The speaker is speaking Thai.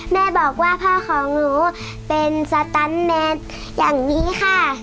แม่บอกว่าพ่อของหนูเป็นสตันแมนอย่างนี้ค่ะ